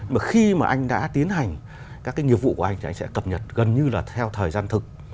mà khi mà anh đã tiến hành các cái nghiệp vụ của anh thì anh sẽ cập nhật gần như là theo thời gian thực